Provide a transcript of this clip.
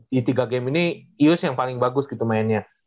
di tiga game ini ius yang paling bagus gitu mainnya